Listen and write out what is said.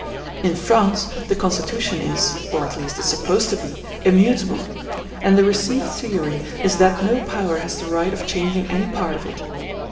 In France the constitution is (or at least is supposed to be) immutable; and the received theory is that no power has the right of changing any part of it.